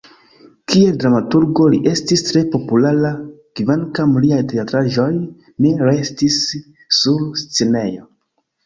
Kiel dramaturgo li estis tre populara, kvankam liaj teatraĵoj ne restis sur scenejo.